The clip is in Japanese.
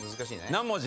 何文字？